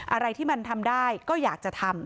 อะไรที่มันทำได้ก็อยากจะทำ